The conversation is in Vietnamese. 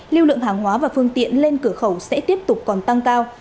lưu lượng hàng hóa và phương tiện lên cửa khẩu sẽ tiếp tục còn tăng cao